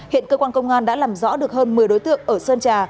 hiện cơ quan công an đã làm rõ được hơn một mươi đối tượng ở sơn trà